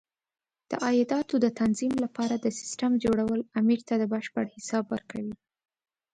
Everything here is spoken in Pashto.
د عایداتو د تنظیم لپاره د سیسټم جوړول امیر ته بشپړ حساب ورکوي.